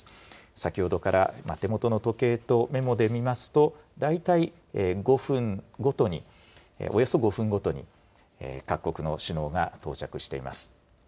先ほどから手元の時計とメモで見ますと、大体５分ごとに、およそ５分ごとに各国の首脳が到着しています。